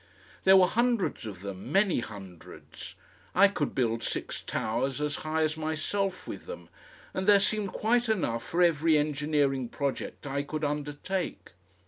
There were hundreds of them, many hundreds. I could build six towers as high as myself with them, and there seemed quite enough for every engineering project I could undertake.